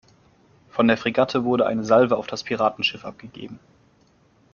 Von der Fregatte wurde eine Salve auf das Piratenschiff abgegeben.